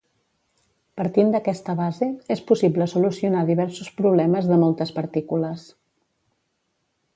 Partint d'aquesta base, és possible solucionar diversos problemes de moltes partícules.